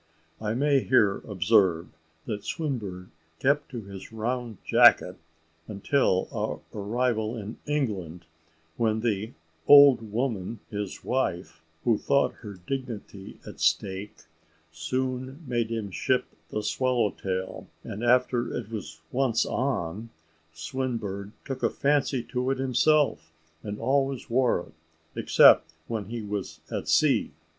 I may here observe, that Swinburne kept to his round jacket until our arrival in England, when the "old woman," his wife, who thought her dignity at stake, soon made him ship the swallow tail; and after it was once on, Swinburne took a fancy to it himself, and always wore it, except when he was at sea.